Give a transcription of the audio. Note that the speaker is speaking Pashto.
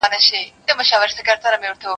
ما پرون د سبا لپاره د يادښتونه بشپړ وکړ..